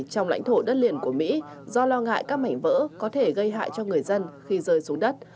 trong lãnh thổ đất liền của mỹ do lo ngại các mảnh vỡ có thể gây hại cho người dân khi rơi xuống đất